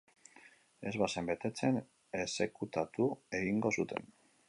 Ez bazen betetzen, exekutatu egingo zuten.